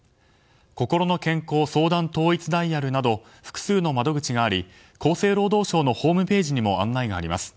こころの健康相談統一ダイヤルなど複数の窓口があり厚生労働省のホームページにも案内があります。